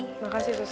terima kasih sus